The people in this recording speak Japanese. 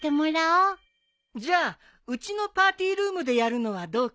じゃあうちのパーティールームでやるのはどうかな？